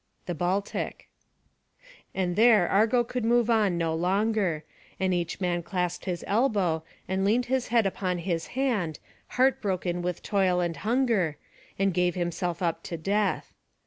[D] And there Argo would move on no longer; and each man clasped his elbow, and leaned his head upon his hand, heartbroken with toil and hunger, and gave himself up to death.